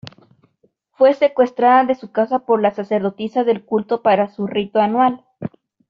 Fue secuestrada de su casa por las sacerdotisas del culto para su rito anual.